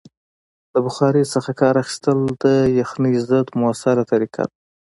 د بخارۍ څخه کار اخیستل د یخنۍ ضد مؤثره طریقه ده.